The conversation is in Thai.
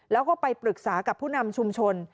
แล้วก็ไปปรึกษากับผู้นำชุมชน